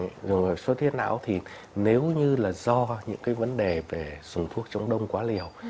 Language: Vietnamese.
sử dụng hợp suất huyết não thì nếu như là do những cái vấn đề về sử dụng thuốc chống đông quá liều